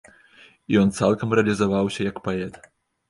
Ён цалкам рэалізаваўся як паэт.